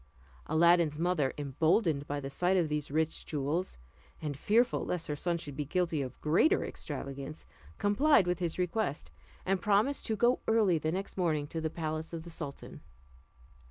Aladdin's mother, emboldened by the sight of these rich jewels, and fearful lest her son should be guilty of greater extravagance, complied with his request, and promised to go early in the next morning to the palace of the sultan.